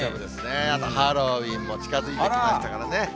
あと、ハロウィーンも近づいてきましたからね。